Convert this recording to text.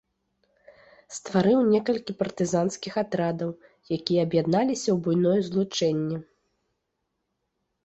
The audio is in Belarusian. Стварыў некалькі партызанскіх атрадаў, якія аб'ядналіся ў буйное злучэнне.